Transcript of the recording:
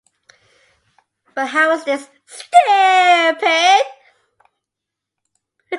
But how is this stupid?